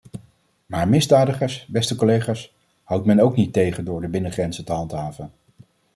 Maar misdadigers, beste collega's, houdt men ook niet tegen door de binnengrenzen te handhaven.